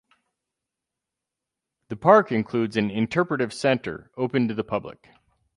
The park includes an interpretive center open to the public.